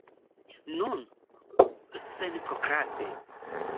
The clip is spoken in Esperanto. Nun, senprokraste.